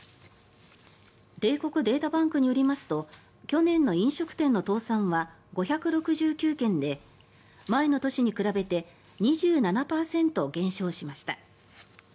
帝国データバンクによりますと去年の飲食店の倒産は５６９件で前の年に比べて２７％減少しました。